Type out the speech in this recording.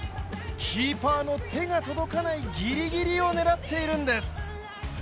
キーパーの手が届かないギリギリを狙っているんです。